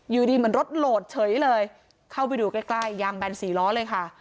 อยู่ดีเหมือนรถโหลดเฉยเลยเข้าไปดูใกล้ใกล้ยางแบนสี่ล้อเลยค่ะ